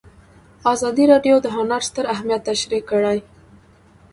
ازادي راډیو د هنر ستر اهميت تشریح کړی.